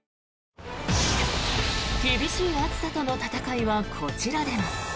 厳しい暑さとの闘いはこちらでも。